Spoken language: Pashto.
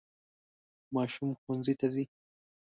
ماشوم ښوونځي ته ځي.